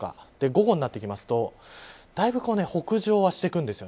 午後になってきますとだいぶ北上してくるんです。